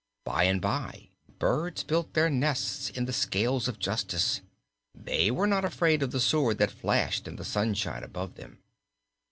By and by, birds built their nests in the scales of Justice; they were not afraid of the sword that flashed in the sunshine above them.